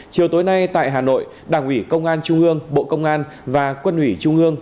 chiều tối nay tại hà nội đảng ủy công an trung ương bộ công an và quân ủy trung ương